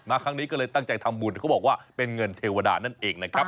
ครั้งนี้ก็เลยตั้งใจทำบุญเขาบอกว่าเป็นเงินเทวดานั่นเองนะครับ